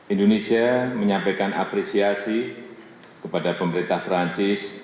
indonesia menyampaikan apresiasi kepada pemerintah perancis